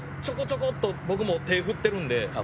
「ちょこちょこっと僕も手振ってるんで」